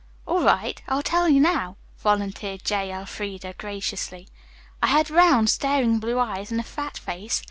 "All right. I'll tell you now," volunteered J. Elfreda graciously. "I had round, staring blue eyes and a fat face.